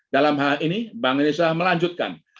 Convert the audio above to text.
dalam hal ini bank indonesia melanjutkan